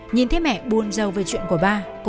nhìn thấy mẹ buôn dâu về chuyện của bà